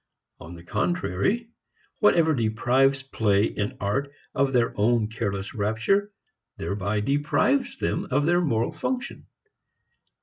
On the contrary, whatever deprives play and art of their own careless rapture thereby deprives them of their moral function.